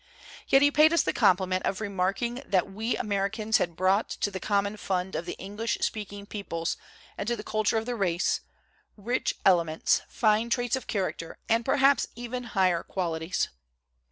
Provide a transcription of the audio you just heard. Yet he paid us the compliment of remarking that we Americans had brought to the common fund of the English speaking peoples and to the cul ture of the race "rich elements, fine traits of character, and perhaps even higher qualities."